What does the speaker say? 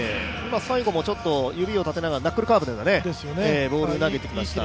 最後も指を立てながらナックルカーブのようなボールを投げてきました。